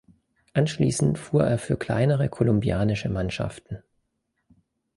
Anschließend fuhr er für kleinere kolumbianische Mannschaften.